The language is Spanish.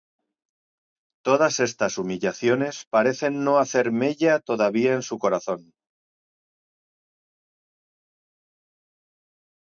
Todas estas humillaciones parecen no hacer mella todavía en su corazón.